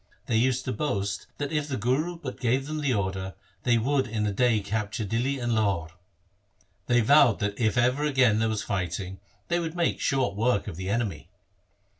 They used to boast that if the Guru but gave them the order, they would in a day capture Dihli and Lahore. They vowed that if ever again there was fighting they would make short work of the enemy.